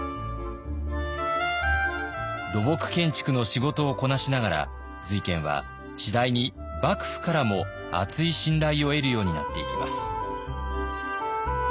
土木建築の仕事をこなしながら瑞賢は次第に幕府からも厚い信頼を得るようになっていきます。